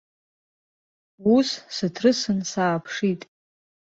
Ус, сыҭрысны сааԥшит.